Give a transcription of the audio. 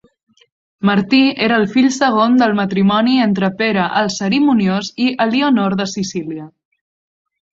Martí era el fill segon del matrimoni entre Pere el Cerimoniós i Elionor de Sicília.